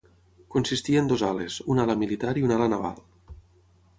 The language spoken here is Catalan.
Consistia en dos ales: una ala militar i una ala naval.